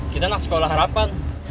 kita anak sekolah harapan